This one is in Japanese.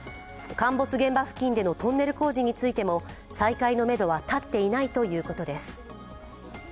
陥没現場付近でのトンネル工事についても再開のめどは立っていないということです。